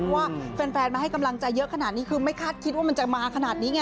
เพราะว่าแฟนมาให้กำลังใจเยอะขนาดนี้คือไม่คาดคิดว่ามันจะมาขนาดนี้ไง